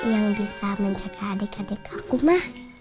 yang bisa menjaga adik adik aku mah